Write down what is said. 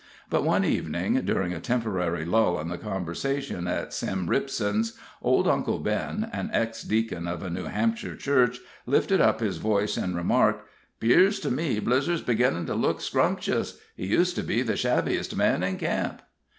But one evening, during a temporary lull in the conversation at Sim Ripson's, old Uncle Ben, ex deacon of a New Hampshire church, lifted up his voice, and remarked: "'Pears to me Blizzer's beginnin' to look scrumptious. He used to be the shabbiest man in camp."